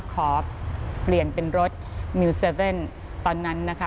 ขอเปลี่ยนเป็นรถมิวเซเว่นตอนนั้นนะคะ